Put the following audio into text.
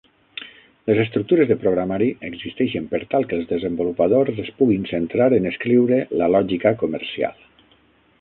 Les estructures de programari existeixen per tal que els desenvolupadors es puguin centrar en escriure la lògica comercial.